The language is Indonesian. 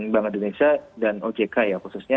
bank indonesia dan ojk ya khususnya